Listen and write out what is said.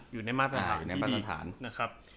อยู่ในมาตรฐานที่ดีนะครับ